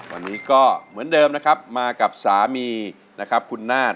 วันนี้ก็เหมือนเดิมนะครับมากับสามีนะครับคุณนาฏ